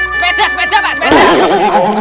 sepeda sepeda pak